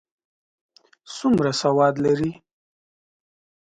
څومره سواد لري؟